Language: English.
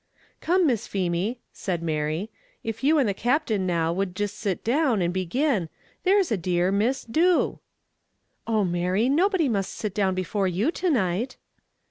"Come, Miss Feemy," said Mary, "if you and the Captain now would jist sit down, and begin there's a dear, Miss, do." "Oh, Mary, nobody must sit down before you, to night."